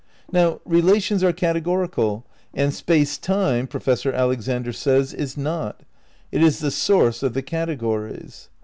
Now, relations are categorial, and Space Time, Pro fessor Alexander says, is not; it is the source of the categories.